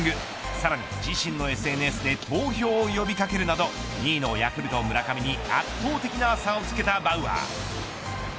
さらに、自身のＳＮＳで投票を呼び掛けるなど２位のヤクルト村上に圧倒的な差をつけたバウアー。